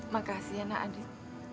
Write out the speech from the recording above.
makasih ya nak adit